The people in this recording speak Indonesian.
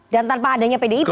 dan tanpa adanya pdp